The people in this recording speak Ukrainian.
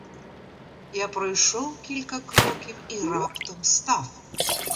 Я пройшов кілька кроків і раптом став.